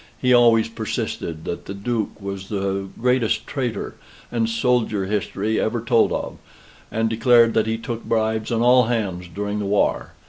He always persisted that the Duke was the greatest traitor and soldier history ever told of: and declared that he took bribes on all hands during the war.